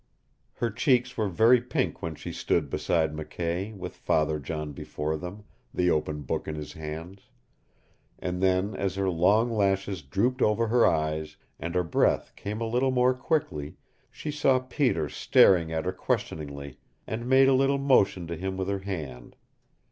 Her cheeks were very pink when she stood beside McKay, with Father John before them, the open book in his hands; and then, as her long lashes drooped over her eyes, and her breath came a little more quickly, she saw Peter staring at her questioningly, and made a little motion to him with her hand.